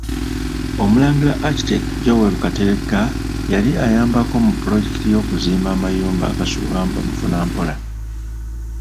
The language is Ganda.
Omulangira Architect Joel kateregga yali ayambako mu pulojekiti y’okuzimba amayumba agasulwamu bamufunampola.